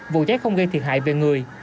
vụ cháy không gây thiệt hại về người